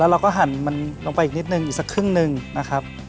เราก็หั่นมันลงไปอีกนิดนึงอีกสักครึ่งหนึ่งนะครับ